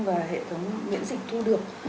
và hệ thống miễn dịch thu được